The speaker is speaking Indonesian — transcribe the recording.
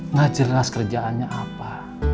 nggak jelas kerjaannya apa